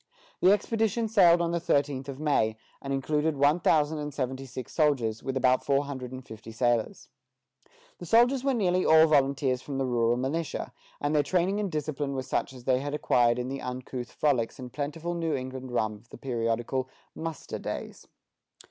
The expedition sailed on the thirteenth of May, and included one thousand and seventy six soldiers, with about four hundred and fifty sailors. The soldiers were nearly all volunteers from the rural militia, and their training and discipline were such as they had acquired in the uncouth frolics and plentiful New England rum of the periodical "muster days."